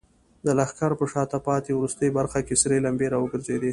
د لښکر په شاته پاتې وروستۍ برخه کې سرې لمبې راوګرځېدې.